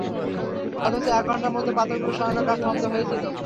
অথচ এক ঘন্টার মধ্যে পাথরগুলো সরানোর কাজ সমাপ্ত হয়েছিল।